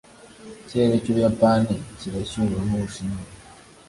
Ikirere cy'Ubuyapani kirashyuha nk'Ubushinwa.